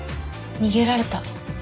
逃げられた。